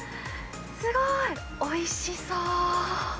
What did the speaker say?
すごい、おいしそう。